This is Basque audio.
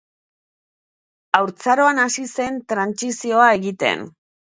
Haurtzaroan hasi zen trantsizioa egiten.